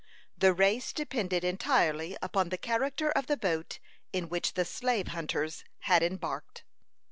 The race depended entirely upon the character of the boat in which the slave hunters had embarked.